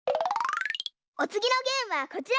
おつぎのゲームはこちら！